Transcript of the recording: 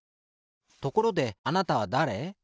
ところであなたはだれ？